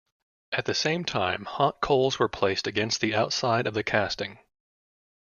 At the same time hot coals were placed against the outside of the casting.